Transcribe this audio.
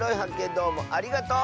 どうもありがとう！